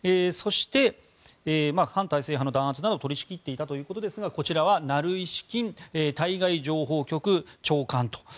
そして、反体制派の弾圧などを取り仕切っていたということですがこちらはナルイシキン対外情報局長官と。